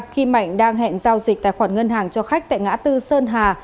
khi mạnh đang hẹn giao dịch tài khoản ngân hàng cho khách tại ngã tư sơn hà